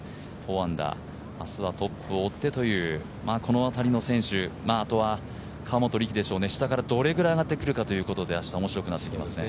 ４アンダー、明日はトップを追ってというこのあたりの選手、あとは河本力でしょうね、下からどれぐらい上がってくるかということで明日、面白くなってきますね。